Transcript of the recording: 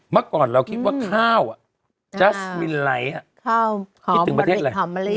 เมื่อก่อนเราคิดว่าข้าวจัสมินไลท์คิดถึงประเทศอะไร